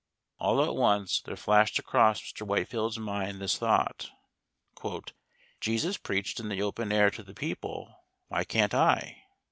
All at once there flashed across Mr. Whitefield's mind this thought: "Jesus preached in the open air to the people, why can't I?"